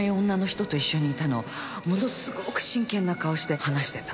ものすごく真剣な顔して話してた。